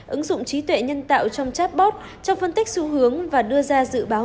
ứng dụng trí tuệ nhân tạo trong chatbot trong phân tích xu hướng và đưa ra dự báo